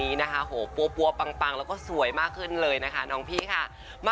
ไว้มีโอกาสเจอกันนะคะขอบคุณทุกคนมากค่ะ